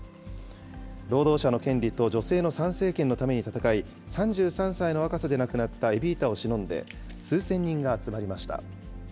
労働者の権利と女性の参政権のために闘い、３３歳の若さで亡くなったエビータをしのんで、数千人が集まりました。